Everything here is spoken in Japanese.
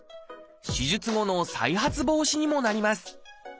手術後の再発防止にもなります。